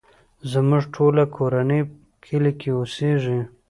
زموږ ټوله کورنۍ کلی کې اوسيږې.